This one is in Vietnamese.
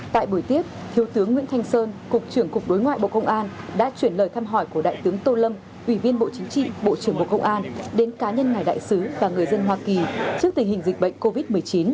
tại buổi tiếp thiếu tướng nguyễn thanh sơn cục trưởng cục đối ngoại bộ công an đã chuyển lời thăm hỏi của đại tướng tô lâm ủy viên bộ chính trị bộ trưởng bộ công an đến cá nhân ngài đại sứ và người dân hoa kỳ trước tình hình dịch bệnh covid một mươi chín